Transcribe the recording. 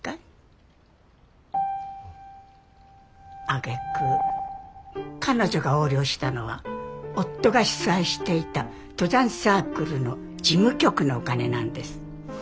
あげく彼女が横領したのは夫が主催していた登山サークルの事務局のお金なんです。